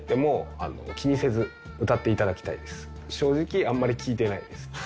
正直あんまり聴いてないです。